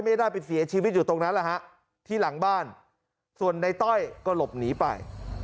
ไม่ได้ไปเสียชีวิตอยู่ตรงนั้นแหละฮะที่หลังบ้านส่วนในต้อยก็หลบหนีไป